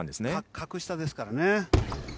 格下ですからね。